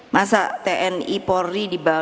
masa tni porri dibawa lagi